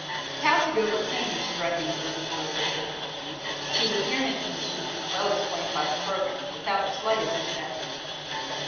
Tausig overcame this threatening group of terrific difficulties, whose appearance in the piece is well explained by the programme, without the slightest effect.